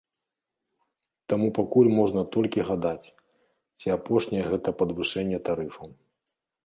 Таму пакуль можна толькі гадаць, ці апошняе гэта падвышэнне тарыфаў.